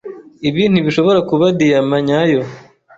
Ibi ntibishobora kuba diyama nyayo.